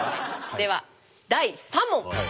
では第３問。